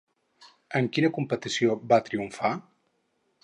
En quina competició va triomfar?